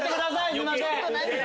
すいません。